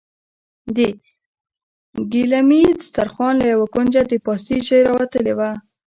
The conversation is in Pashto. د ګيلمي دسترخوان له يوه کونجه د پاستي ژۍ راوتلې وه.